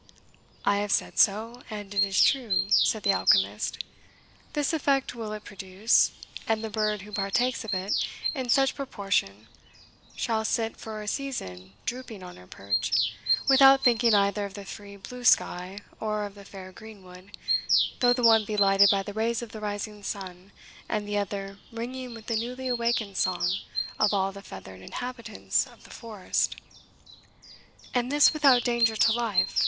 "I have said so, and it is true," said the alchemist. "This effect will it produce, and the bird who partakes of it in such proportion shall sit for a season drooping on her perch, without thinking either of the free blue sky, or of the fair greenwood, though the one be lighted by the rays of the rising sun, and the other ringing with the newly awakened song of all the feathered inhabitants of the forest." "And this without danger to life?"